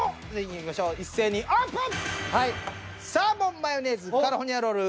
いきましょう一斉にオープン。